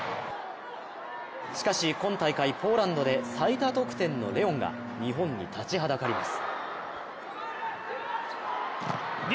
しかし、今大会ポーランドで最多得点のレオンが日本に立ちはだかります。